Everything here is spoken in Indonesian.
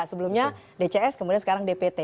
sebelumnya dcs kemudian sekarang dpt